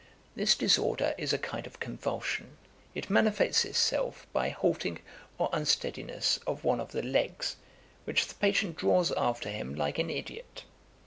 'This disorder is a kind of convulsion. It manifests itself by halting or unsteadiness of one of the legs, which the patient draws after him like an ideot.